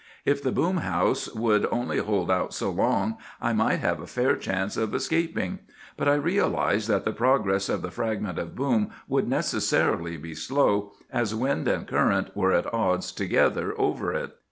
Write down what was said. If the boom house would only hold out so long I might have a fair chance of escaping; but I realized that the progress of the fragment of boom would necessarily be slow, as wind and current were at odds together over it.